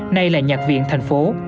nay là nhạc viện thành phố